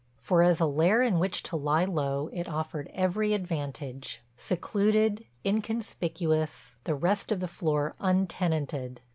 For as a lair in which to lie low it offered every advantage—secluded, inconspicuous, the rest of the floor untenanted.